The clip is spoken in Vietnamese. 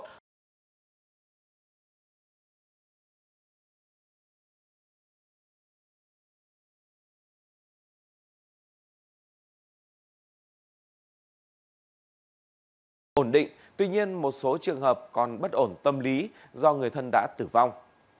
nếu bệnh nhân bệnh nhân không ổn định tuy nhiên một số trường hợp còn bất ổn tâm lý do người thân đã tử vong